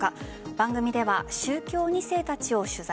番組では宗教２世たちを取材。